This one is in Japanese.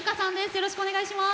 よろしくお願いします。